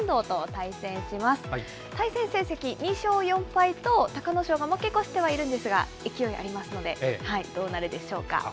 対戦成績２勝４敗と、隆の勝が負け越してはいるんですが、勢いありますのでどうなるでしょうか。